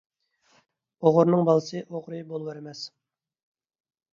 ئوغرىنىڭ بالىسى ئوغرى بولۇۋەرمەس.